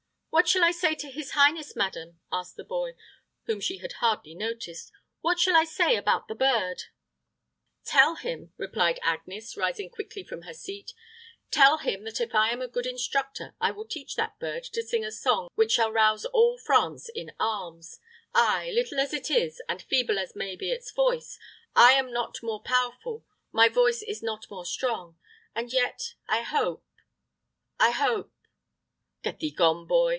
"What shall I say to his highness, madam?" asked the boy, whom she had hardly noticed; "what shall I say about the bird?" "Tell him," replied Agnes, rising quickly from her seat "tell him that if I am a good instructor, I will teach that bird to sing a song which shall rouse all France in arms Ay, little as it is, and feeble as may be its voice, I am not more powerful, my voice is not more strong; and yet I hope I hope Get thee gone, boy.